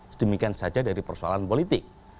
sedemikian saja dari persoalan politik